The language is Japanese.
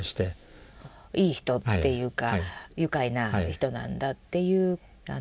いい人っていうか愉快な人なんだっていう。